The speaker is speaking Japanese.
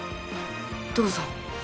どうぞ。